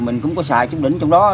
mình cũng có xài chút đỉnh trong đó